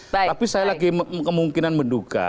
tapi saya lagi kemungkinan menduga